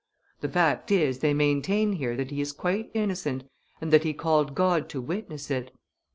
The fact is, they maintain here that he is quite innocent, and that he called God to witness it.